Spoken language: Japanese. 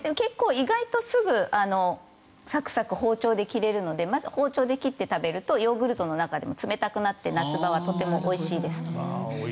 意外とすぐサクサク包丁で切れるので包丁で切って食べるとヨーグルトの中でも冷たくなって夏場はすごくおいしいです。